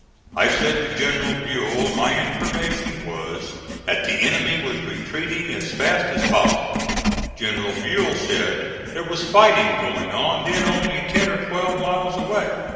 I said to General Buell my information was that the enemy was retreating as fast as possible. General Buell said there was fighting going on then only ten or twelve miles away.